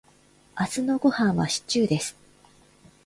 明日のごはんはシチューです。